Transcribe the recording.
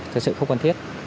thực sự không cần thiết